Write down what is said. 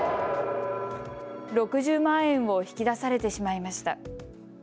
６０万円を引き出されてしまいました。